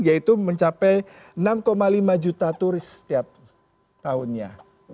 yaitu mencapai enam lima juta turis setiap tahunnya